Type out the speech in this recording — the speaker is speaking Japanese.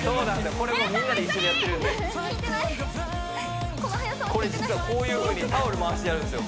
これもうみんなで一緒にやってるんでんですよ